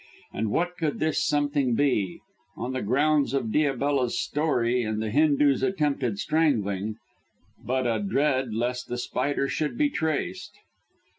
And what could this something be on the grounds of Diabella's story and the Hindoo's attempted strangling but a dread lest The Spider should be traced?